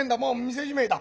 店じめえだ。